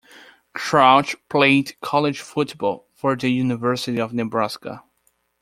Crouch played college football for the University of Nebraska.